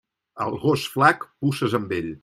Al gos flac, puces amb ell.